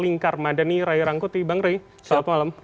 lingkar madani rai rangkuti bang ray selamat malam